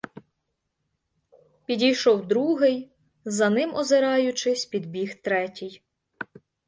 Підійшов другий, за ним, озираючись, підбіг третій.